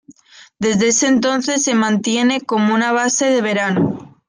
Desde ese entonces se mantiene como una base de verano.